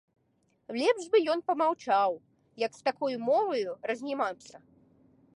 Лепш бы ён памаўчаў, як з такою моваю разнімацца.